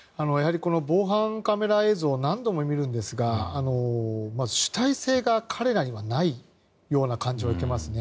防犯カメラ映像を何度も見るんですが主体性が彼らにはないような感じを受けます。